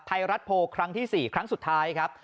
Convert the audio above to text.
ไทยรัฐโพลครั้งที่๔ครั้งสุดท้ายครับ